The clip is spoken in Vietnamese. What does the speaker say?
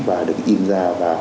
và được im ra